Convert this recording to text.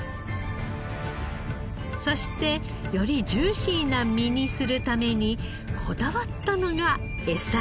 そしてよりジューシーな身にするためにこだわったのがエサ。